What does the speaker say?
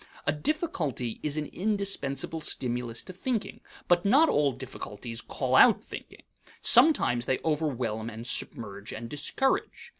A difficulty is an indispensable stimulus to thinking, but not all difficulties call out thinking. Sometimes they overwhelm and submerge and discourage.